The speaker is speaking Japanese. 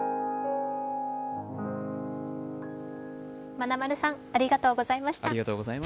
まなまるさん、ありがとうございました。